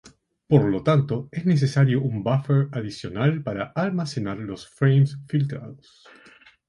Por tanto es necesario un buffer adicional para almacenar los frames filtrados.